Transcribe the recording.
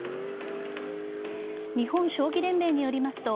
日本将棋連盟によりますと